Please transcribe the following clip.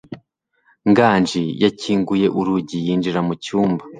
Nganji yakinguye urugi yinjira mu cyumba.